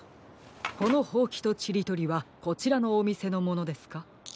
このほうきとちりとりはこちらのおみせのものですか？